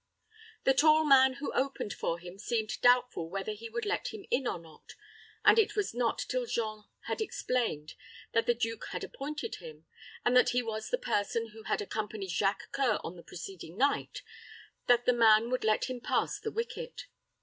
The tall man who opened for him seemed doubtful whether he would let him in or not; and it was not till Jean had explained that the duke had appointed him, and that he was the person who had accompanied Jacques C[oe]ur on the preceding night, that the man would let him pass the wicket.